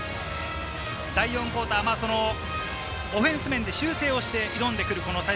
第４クオーター、オフェンス面で修正をしてくる。